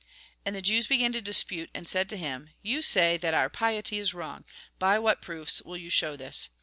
And the Jews began to dispute, and said to him :" You say that our piety is wrong. By what proofs will you show this